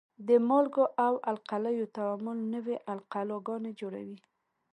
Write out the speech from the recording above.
د مالګو او القلیو تعامل نوې القلي ګانې جوړوي.